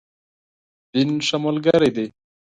دین، ښه ملګری دی.